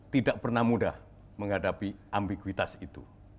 tidak pernah mudah menghadapi ambiguitas itu